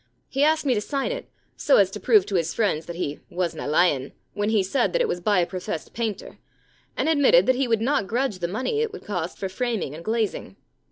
He asked me to sign it, so as to prove to his friends that he wasna lying when he said that it was by a professed painter, and admitted that he would not grudge the money it would cost for framing and glazing.